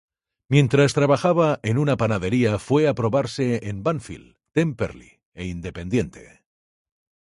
Mientras trabajaba en una panadería, fue a probarse en Banfield, Temperley e Independiente.